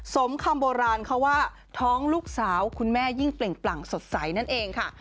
สมคำโบราณเขาว่าท้องลูกสาวคุณแม่ยิ่งเปล่งปลั่งสดใสนั่นเองค่ะ